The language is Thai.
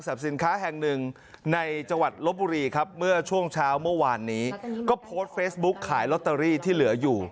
สินค้าแห่งหนึ่งในจังหวัดลบบุรีครับเมื่อช่วงเช้าเมื่อวานนี้ก็โพสต์เฟซบุ๊กขายลอตเตอรี่ที่เหลืออยู่